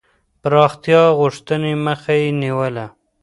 پراختیا غوښتني مخه یې نیوله.